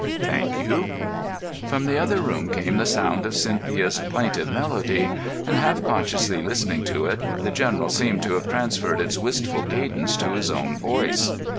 "Thank you." From the other room came the sound of Cynthia's plaintive melody, and, half consciously listening to it, the General seemed to have transferred its wistful cadence to his own voice.